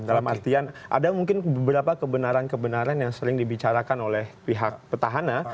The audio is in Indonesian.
dalam artian ada mungkin beberapa kebenaran kebenaran yang sering dibicarakan oleh pihak petahana